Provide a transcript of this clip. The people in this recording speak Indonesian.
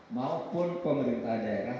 maupun pemerintah daerah